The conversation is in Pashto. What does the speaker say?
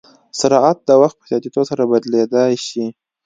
سرعت د وخت په زیاتېدو سره بدلېدای شي.